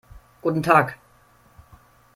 Guten Tag.